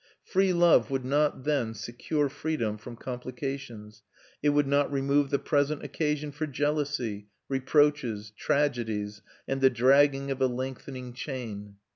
Free love would not, then, secure freedom from complications; it would not remove the present occasion for jealousy, reproaches, tragedies, and the dragging of a lengthening chain.